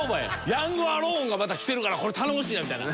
ヤングアローンがまたきてるからこれ頼もしいなみたいな。